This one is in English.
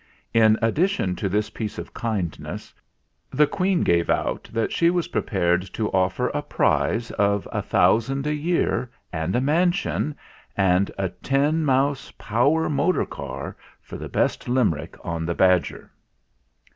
In addition to this piece of kindness, the Queen gave out that she was prepared to offer a prize of a thousand a year, and a mansion, and a ten mouse power motor car, for the best Limerick on the badger.